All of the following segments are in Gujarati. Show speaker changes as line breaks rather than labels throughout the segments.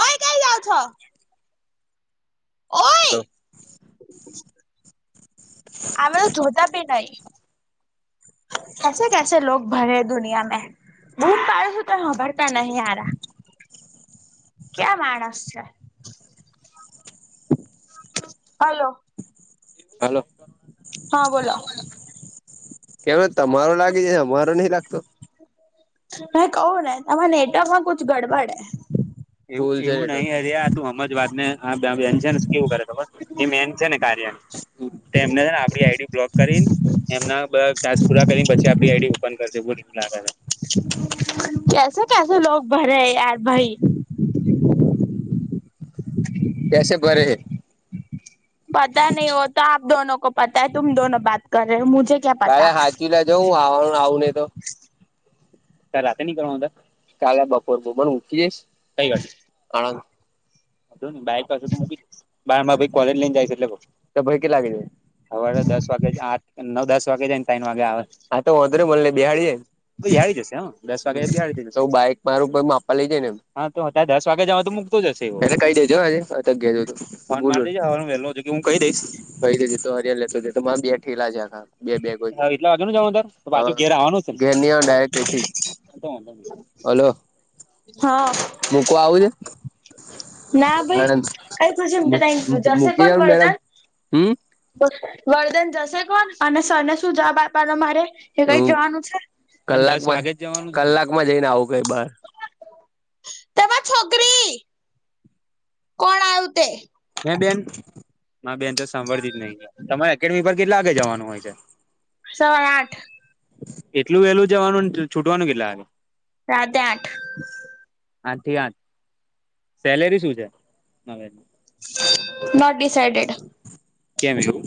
ઓય કઈ જાઓ છો
[inaudible]
ઓયે
હલો
આ બાજુ જોતા બી નહીં કસે કેસે લોગ ભરે હે દુનિયા મે બૂમ પાડું છું તોય સંભાળતા નથી હારા કેવા માણસ છે હલો
હાલો
હા બોલો
કેમનો તમારો લાગી જાય હે અમારો નહીં લાગતો
મેં કવું ને તમારા નેટવર્ક માં કુછ ગડબડ હૈં
એ નહી અરે આ તું હમ જ વાત ને આ બેન છે ને શ કેવું કરે ખબર એ મેમ છે ને કાર્યમાં એમને આપડી આઈડી બ્લોક કરી એમના ટાસ્ક પૂરા કરીને પછી આપડી આઈડી ઓપન કરશે બોલ મને આવું લાગે છે
કેસે કેસે લોગ ભરે હૈ યાર ભાઈ
કેસે ભરે હૈં
પતા નહી વોતો આપ દોન કો પતા તુમ દોન બાત કર રહ હો મુજે
કાલે હાંચવી લેજો હું આવવાનું આવું નહી તો કાલ રાતે નીકળવાના હતા કાલે બપોર બપર મૂકી જઈશ કઈ આગળ આણંદ જોન બાઈક પાસે બાર માં ભ કોલેજ લઈને જાયશ એટલે તો ભ કે લાગે છે સવારે દસ વાગે આઠ નવ દસ વાગે જાય ને તયન વાગે આવે આ તો ઓધરે બોલ બેિહળે બેહાડી જશે હ દસ વાગે બડી જશે સ બાઈક મારું માર પપા લઈ જાયે એમ હા તો અત્યારે દસ વાગે જવા તો મૂકતો જશે એવૈયો અને કઈ દેજે અવે અત્યારે ઘરેજૌ તો [unintelligible] હું કહી દઈશ કહી દઈશ તો હરિયા લેતો તો બે ઠલા છે આ બે કોઈ વા ઘરની ડાયરેકથી હલો
હા
મૂક આવું છે
ના ભાઈ
અને
કઈ ખુશી તો કઈ
મૂકી મૂકી જ મેડમ હમ્મ
તો વર્ધન જશે કોણ અને સર ને શું જવાબ આપવાનો મારે એ કઈ જવાનું છે
કલાક જનું કલાકમાં જઈને આવું કઈ બાર
તેમાં છોકરી કોણ આવ્યું તે
હ બેન ના બેન તો સાંભળતી જ નહી તમારે એકેડમી પર કેટલા વાગે જવાનું હોય છે
સવારે આઠ
એટલું વેલું જવાનું છૂટવાનું કેટલા વાગે
રાતે આઠ
સાત થી આઠ સેલેરી શું છે નવેજ
નોટ ડિસાઈડેડ
કેમ છું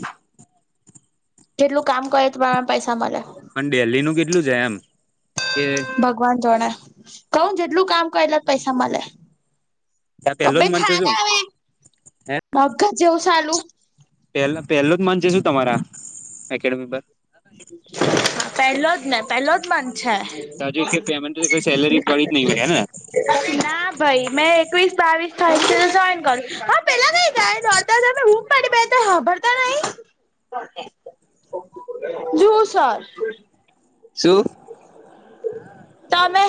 કેટલું કામ કરે તોમાં પૈસા મળે
પણ ડિલીનું કેટલું છે એમ કે
ભગવાન જોડ કઉ જેટલું કામ કરે એટલા પૈસા મળે ત
પેલો
ભે
જ મન છે
થા ને
શું
આવે મગજ જેવું સાલું
પહે પહેલો જ મનથ છે શું તમારા એકેડેમી પર
પેલો જો ને પેલો જ મનથ
પર હજુ કે પેમેન્ટ સેલેરી ગળી જ નહી હોય ને
છે [inaudible] ના ભાઈ મેં એકવીસ બાવીસ તરીકે તો જોઈન કરયુ દોડતામે મે બુમ પડી તમ હંભળતા નહીં જુસર
શું?
તો અમે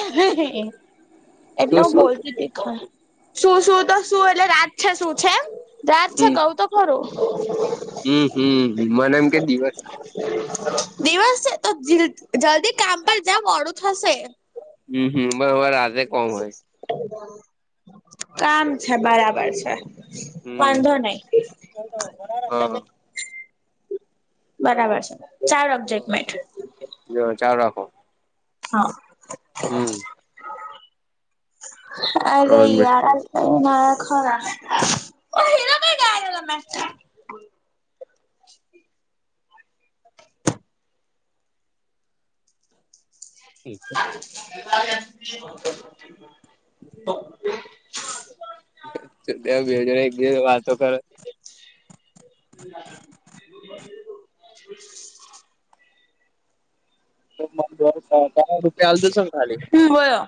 એટલે
શું
હું
શું
બોલતી હતી [unintelligible] શું શું તો શું એટલે રાત છે શું છે એમ રાત છે
હમ
કઉ તો ખોરું.
હમ હમ મને એમ કે દિવસ
દિવસ તો જલ્દી કામ પર જા માડું થશે.
હમ હમ બરોબર આજે
કામ છે બરાબર છે.
હમ
વાધો નહીં.
[unintelligible]
બરાબર છે ચાર ઓબ્જેક્ટ.
જો ચાલું રાખો.
હા
હમ
અરે
ત્રણ મિનિટ
યાર
થઈ.
આયા ખરા. કઈ ગયા તમે
[unintelligible] [unintelligible]
[unintelligible]
[unintelligible] એક બીજા વાતો કરો
[inaudible]
[unintelligible] રૂપિયા ખાલી.
હમ બોલો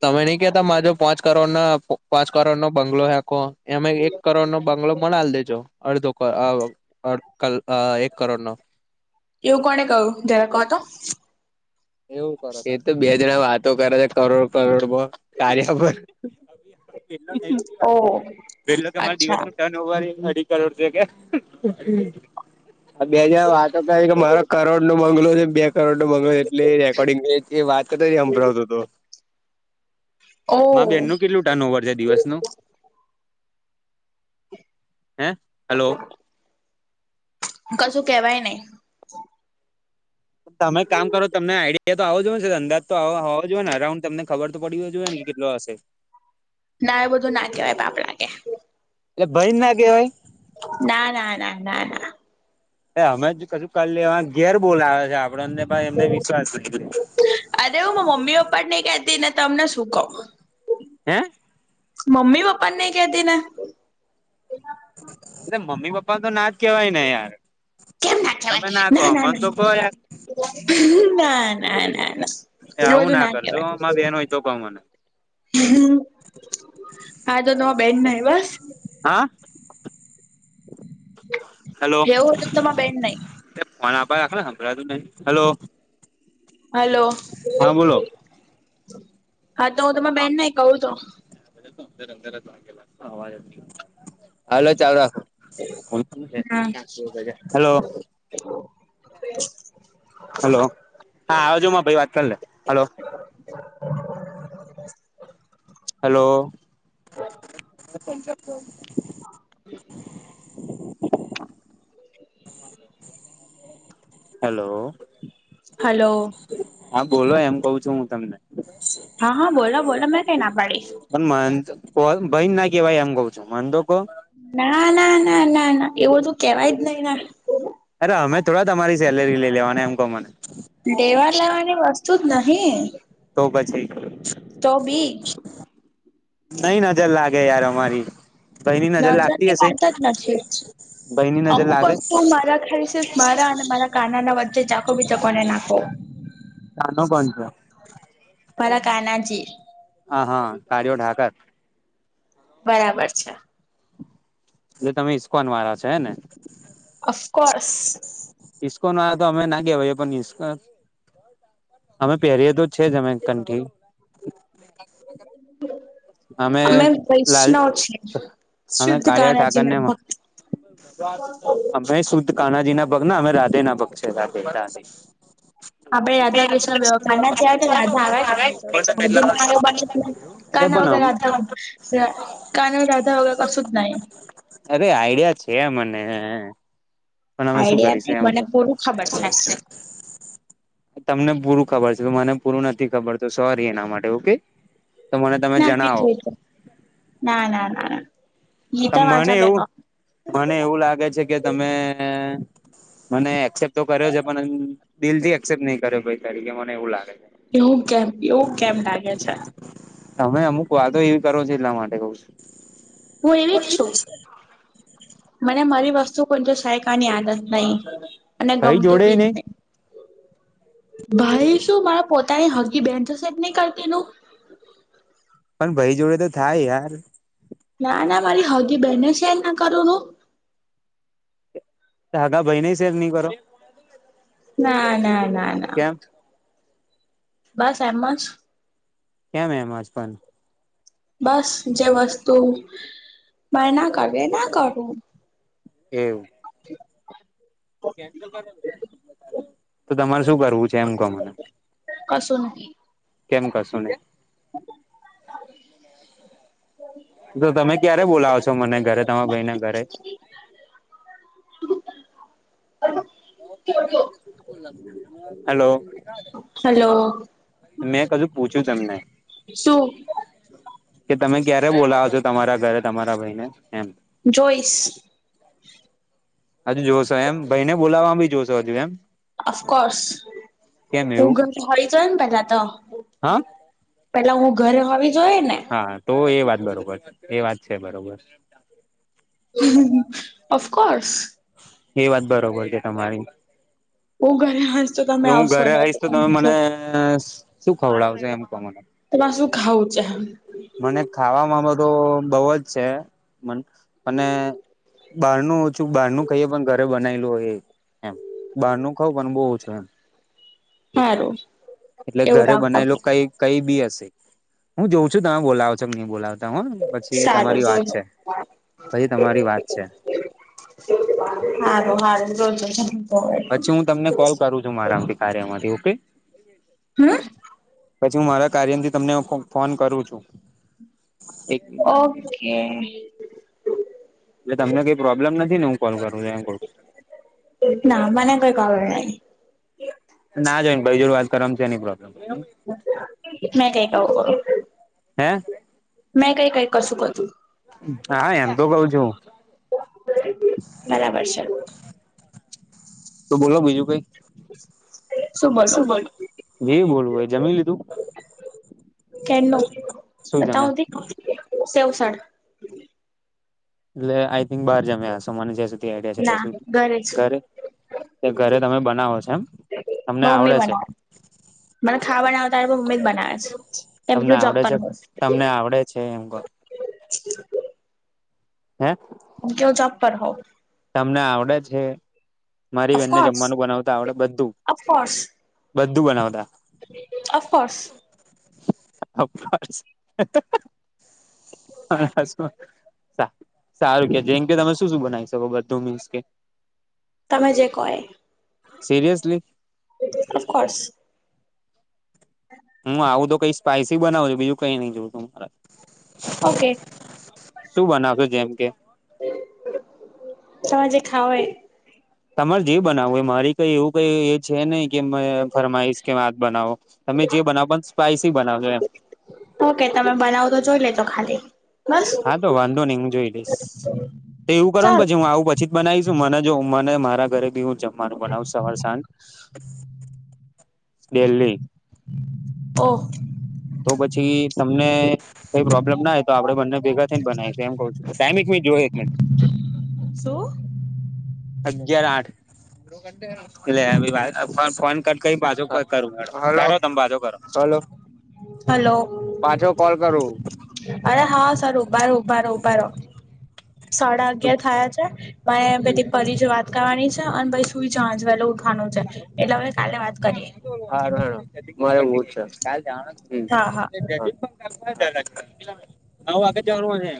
તમે નઈ કેતા માર જોડે પાંચ કરોડ ના પાંચ કરોડ નો બંગલો હેકો. એમે એક કરોડ નો બંગલો મને આલ દેજો. અડધો કર એક કરોડ નો
એવું કોને કહું જરા કહોતો.
એવું કરો એ તો બે જણા વાતો કરે છે કરોડ કરોડમાં. કાર્ય
ઓ
પેલો કે માર
અચ્છા
દિવસનું ટન. [unintelligible] બે જણ વાતો કરે કે મારો કરોડનો બંગલો છે બે કરોડનો. એટલે એ રેકોર્ડિંગ એ વાત કરી હભળાવતો હતો
ઓ
એમા બેનું કેટલુંક ટનઓવર દિવસ નું. હે હલો?
કશું કેવાય નહીં.
તમે કામ કરો તમને આઈડિયા તો આવવો જોઈએ ને અંદાજ તો હોવો જોઈએ ને અરાઉન્ડ તમને ખબર તો પડવી હોવી જોઈએ ને કે કેટલો હશે.
ના એ બધું ના કેવાય પાપ લાગે.
એટલે ભાઈ ના કેવાય
ના, ના, ના, ના, ના.
એ અમે શું કર લેવાના ઘેર બોલાવે છે આપણને તો પાછું એમને વિશ્વાસ નથી.
અરે હું મમ્મી પપ્પા ને પણ નઈ કેહતી તો તમને શું કહું.
હે?
મમ્મી પપ્પા ને નઈ કેહતી ને
એ તો મમ્મી પપ્પાને તો ના જ કેવાય ને યાર.
કેમ ના કેવાય
તમે
ના,
કહો
ના,
મને
ના,
તો કહો યાર
ના, ના, ના, ના. એવું
આવું
બધું ના
કરશો
કેવાય.
માર બેન હોય તો કહો મને
[unintelligible]
[unintelligible] હાલો
એવું હતું તમા બેન નહી
[unintelligible] સંભળાતું નઈ હલો.
હલો
હા બોલો
આ તો હું તમારા બેનને કહું તો.
તો અંદર અંદર જ વાગેલા સવારે બી. આલો ચાલું રાખો,
હા
હલો. હલો [unintelligible] ભાઈ વાત કરી લે હલો.
[inaudible]
હલો. [unintelligible]
[inaudible]
હલો
હલો
હા બોલો એમ કહું છું હું તમને.
હા હા બોલો બોલો મેં ક્યાં ના પાડી.
પણ મન કો ભઈને ના કહેવાય એમ કઉ છું મને તો કો.
ના ના ના ના ના એવું તો કહેવાય જ નહીં ને.
અરે અમે થોડા તમારી સેલેરી લઈ લેવાના એમ કો મને.
દેવા લેવાની વસ્તુ જ નહિં.
તો પછી
તોબી
નઈ નજર લાગે યાર અમારી. ભાઈની નજર લાગતી
ની
હશે?
વાત જ નથી
ભઈની ન
અમુક વસ્તુ મારા ખ્યાલથી મારા અને મારા કાનાના વચ્ચે જ રાખો બીજા કોઈ ન નાખો. [inaudible]
કાનો કોન છે?
મારા કાનાજી.
હા હા કાળીઓ ઢાકર.
બરાબર છે.
જો તમે ઈસ્કોન વાળા છો હેને?
અફકોઝ.
ઈસ્કોન વાળા તો અમે ના કેવાઈ એ પણ ઈસ્કો અમે પહેરીએ તો છે જ અમે કંઠી. [inaudible]
અમે
લાલ
વૈષ્ણવ છીએ
અમે
શુદ્ધ
કાળિયા ઠાકર ને
કાનાજીના ભક્ત.
અમે શુદ્ધ કાનાજીના ભક્ત ના અમે રાધેના ભક્ત છે રાધે રાધે.
[inaudible] આપડે રાધા કૃષ્ણ કાના છે કે રાધા આવ મોધી ના આવ બને.
અરે
કાન વગર
પણ
રાધા કાન રાધા વગેર કસું જ નહી.
અરે આઈડિયા છે મને. પણ અમે શું
આઈડિયા
કરીશ
નહીં
એમ
મને
કે
પૂરું ખબર છે.
તમને પૂરું ખબર છે તો મને પૂરું નથી ખબર તો સોરી એના માટે ઓકે. તો મને તમે
નથી
જણાવો
જોજો. ના ના ના ના.
ત
ગીતા
મને
વાંચવા
એવું
બેઠો
મને એવું લાગે છે કે તમે મને એક્સેપ તો કર્યો છે પણ દિલથી એક્સેપ્ટ નહીં કર્યો ભાઈ તરીકે મને એવુ
એવું કેમ એવું કેમ લાગે છે?
તમે અમુક વાતો એવી કરો છો એટલા માટે કઉ છું.
હું એવી જ છું. મને મારી વસ્તુ પર સહેકાની આદત નહી અને
ભાઈ
ગમતું
જોડે
બી નહી. ભાઈ શું મારા પોતાની હગી બેન જોશેટ નહી કરતી નું.
પણ ભાઈ જોડે તો થાય યાર.
ના ના મારી હગી બેને શેર ના કરુને હું.
હગા ભાઈને શેર નહી કરો?
ના ના ના ના
કેમ
બસ એમજ.
કેમ એમજ પણ?
બસ જે વસ્તુ મને ના ગમે એ ના કરું.
એવું? તારે તો તમારે શું કરવું છે? તેમ કહો મને.
કશું નહી
કેમ કશું નહીં? તો તમે ક્યારે બોલાવ છો મને ઘરે તમારા ભાઈને ઘરે?
[unintelligible]
હલો.
હલો
મેં કજું પૂછ્યું તમને?
સુું?
કે તમે ક્યારે બોલાવ છો તમારા ઘરે તમારા ભાઈ ને એમ?
જોઈસ.
હજુ જોશો એમ ભાઈને બોલાવાવામાં ભી જોશો હજુ એમ.
અફકોર્સ
કેમ એવું
ઉગલ હોય જાય હો ને પેલા તો
હા
પેલા હું ઘરે હોવી જોઈ ને.
હા તો એ વાત બરોબર એ વાત છે બરોબર.
હુ હુ ઓફકોર્સ.
એ વાત બરોબર છે તમારી.
હું ઘરે હંશ તો તમે
હું
આવશો
ઘરે
ને ત
આવીઈશ તો તમે મને શું ખવડાવશે એમ કો મને?
તમારે શું ખાવું છે?
મને ખાવામાં બધો બહ જ છે, મ અને બહારનું ઓછું બહારનું ખઇએ પણ ઘરે બનાયલું હોય એ. એમ બારનું ખવ પણ બોવ ઓછું એમ.
હારું.
એટલે
એવું
ઘરે
રાખો
બનાયલો
આપડે
કઈ કઈ બી હશે, હું જોઉં છું તમે બોલાવો છો કે નઈ બોલાવ. ત પછી
સારું
તમારી વાત
જોજો
છે, પછી તમારી વાત છે.
હારું હારું જોઈ લઈશ.
પછી હું તમને કોલ કરું છું મારામાંથી કાર્યમાંથી ઓકે.
હમ.
પછી હું મારા કાર્યથી તમને હું ફો ફોન કરું છું, એક એટલે
ઓકે.
એટલે તમને કઈ પ્રોબ્લેમ નથી ને હું કોલ કરું તો એમ કઉ?
ના મને કોઈ ખબર નહી.
ના જ હોય ભાઈ જો ડે વાત કરવામાં સેની પ્રોબ્લેમ.
મેં કઈ કહું.
હે?
મેં કઈ કઈ કશું ક ધુ.
હા એમ તો કઉ છું હું.
બરાબર છે.
તો બોલો બીજું કઈ. શું બોલુ જે બોલવુ હોઈ જમી લીધુ?
કેનો?
શું જમે
બતાવતી સેવસડ.
એટલે આઈ થિંક બાર જમ્યા હશો મને જ્યાં સુધી આઈડિયા છે ત્યાં
ના જ
સુધી ઘરે. તે ઘરે તમે બનાવો છો એમ, તમને
મમ્મી
આવડે છે.
બનાવે મને ખાવા બનાવ ત્યારે મારા મમ્મી જ બનાવે છે. કેમ કે
તમને
હું જોબ
આવડે
પર
છે
હોઉ કેમ
તમને આવડે છે એમ કો? હે?
કે હું કરો જોપ પર હોવુ.
તમને આવડે છે? મારી બેનને
અફકોર્સ
જમવાનું બનાવતા આવડે બધું.
અફકોર્સ
બધું બનાવતા.
અફકોર્સ
[unintelligible] અ હ હસવા-સા [unintelligible] સારું કે જેમ કે તમે શું શું બનાવી શકો બધું મીસ કે?
તમે જે કો‌એ.
સિરિયસલી?
ઓફકોર્સ. [inaudible]
હું આવું તો કઈ સ્પાઈસી બનાવો જો બીજું કઈ નઈ જોવું તું મારે
ઓકે.
-શું બનાવ્યું જેમ કે??
-તમે જે ખાવું હોય એ.
તમારે જે બનાવું મારી કઈ એવું કઈ એ છે નહી કે મ ફરમાઈશ કે આ જ બનાવો. તમે જે બનાવો એ પણ સ્પાઈસી બનાવજો એમ
ઓકે તમે બનાવો તો જોઈ લેજો ખાલી બસ
હા તો વાંધો નહી હું જોઈ લઈશ -તે એવું કરો ને
સારું
પછી હું આવું પછી બનાવીશું મને જો મને મારા ઘરે બી હું જમવાનું બનાવું સવાર સાંજ ડેલી
ઓહો
તો પછી તમને કઈ પ્રોબ્લેમ ના હોય તો આપણે બંને ભેગા થઈને બનાઈ શું એમ ક છું સામ મિનિટ જોવું એક મિનિટ
શું
અગિયાર આઠ એટલે હ વ ફોન કટ કરી પાછો કટ કરું હેંડો કરો તમે કરો પાછો કરો.
હલો.
પાછો કોલ કરું
અરે હા સર ઊભા રહો ઉભા રહો ઉભા રહો- સાડા અગિયાર થયા છે. મારે એમ પી પછી જ વાત કરવાની છે અને પછી સુઈ જવાનું વેલો ઉઠ ઉઠવાનું છે એટલે હવે કાલે વાત કરીએ.
હારુ હેંડો મારે એવું જ છે [unintelligible] ક જા
હા હા
હું આગળ જવાનું હશે.